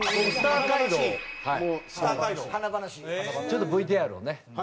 ちょっとＶＴＲをね。